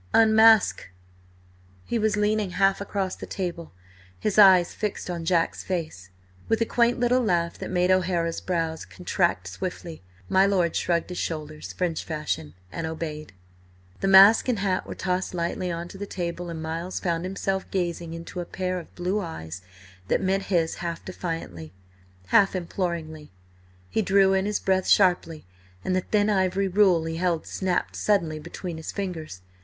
Unmask!" He was leaning half across the table, his eyes fixed on Jack's face. With a quaint little laugh that made O'Hara's brows contract swiftly, my lord shrugged his shoulders French fashion and obeyed. The mask and hat were tossed lightly on to the table, and Miles found himself gazing into a pair of blue eyes that met his half defiantly, half imploringly. He drew in his breath sharply and the thin ivory rule he held snapped suddenly between his fingers.